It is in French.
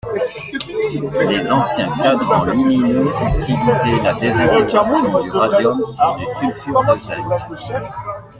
Les anciens cadrans lumineux utilisaient la désintégration du radium sur du sulfure de zinc.